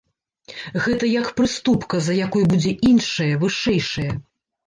Гэта як прыступка, за якой будзе іншая, вышэйшая.